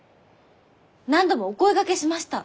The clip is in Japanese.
何度もお声がけしました。